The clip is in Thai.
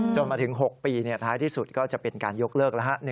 จนมาถึง๖ปีท้ายที่สุดก็จะเป็นการยกเลิกแล้ว